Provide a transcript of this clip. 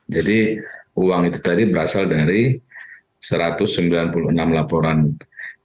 jadi uang itu tadi berasal dari satu ratus sembilan puluh enam laporan informasi